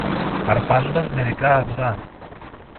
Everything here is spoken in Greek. αρπάζοντας μερικά αυγά